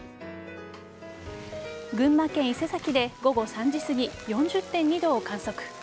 群馬県伊勢崎で午後３時すぎ４０．２度を観測。